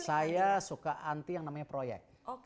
saya suka anti yang namanya proyek